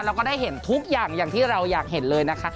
เราก็ได้เห็นทุกอย่างอย่างที่เราอยากเห็นเลยนะคะ